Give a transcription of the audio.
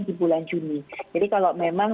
di bulan juni jadi kalau memang